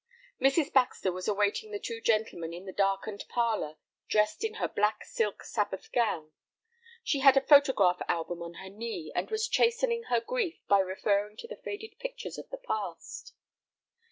Mrs. Baxter was awaiting the two gentlemen in the darkened parlor, dressed in her black silk Sabbath gown. She had a photograph album on her knee, and was chastening her grief by referring to the faded pictures of the past.